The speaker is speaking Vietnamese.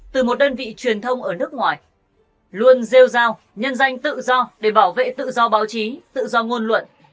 từ một đơn vị truyền thông ở nước ngoài luôn rêu giao nhân danh tự do để bảo vệ tự do báo chí tự do ngôn luận